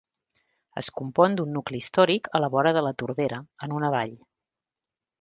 Es compon d'un nucli històric a la vora de La Tordera, en una vall.